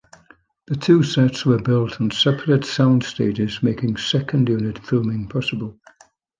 The two sets were built on separate sound stages, making second unit filming possible.